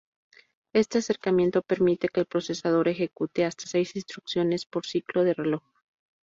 Este acercamiento permite que el procesador ejecute hasta seis instrucciones por ciclo de reloj.